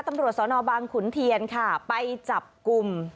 ตำรวจสนบางขุนเทียนค่ะไปจับกลุ่ม